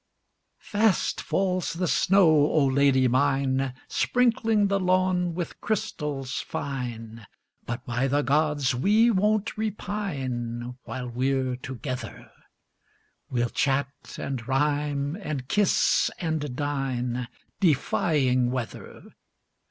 Fast falls the snow, O lady mine, Sprinkling the lawn with crystals fine, But by the gods we won't repine While we're together, We'll chat and rhyme and kiss and dine. Defying weather.